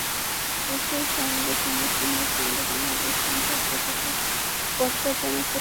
সেই সঙ্গে তিনি চীনের সঙ্গে বাংলাদেশের সম্পর্কের গতিপথটা জানার চেষ্টা করবেন।